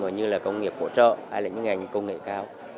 như là công nghiệp hỗ trợ hay là những ngành công nghệ cao